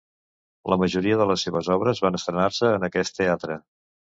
La majoria de les seves obres van estrenar-se en aquest teatre.